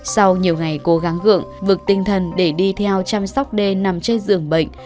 sau nhiều ngày cố gắng gượng vực tinh thần để đi theo chăm sóc đê nằm trên giường bệnh